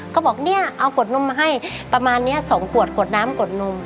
ก็บอกเนี่ยเอาขวดนมมาให้ประมาณนี้๒ขวดกดน้ำกดนม